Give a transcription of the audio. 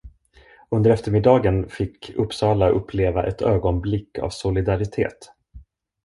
Under eftermiddagen fick Uppsala uppleva ett ögonblick av solidaritet.